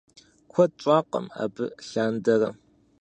Куэд щӀакъым абы лъандэрэ.